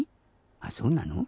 あそうなの？